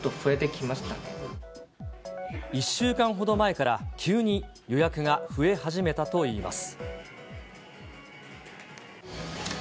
１週間ほど前から、急に予約が増え始めたといいます。